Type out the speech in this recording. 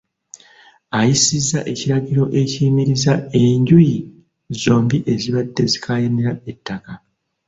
Ayisizza ekiragiro ekiyimiriza enjuyi zombi ezibadde zikaayanira ettaka